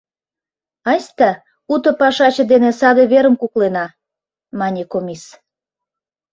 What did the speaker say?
«Айста уто пашаче дене саде верым куклена», — мане комис.